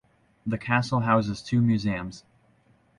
The castle houses two museums.